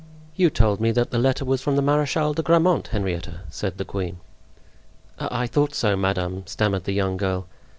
"You told me that the letter was from the Marechal de Grammont, Henrietta!" said the queen. "I thought so, madame," stammered the young girl.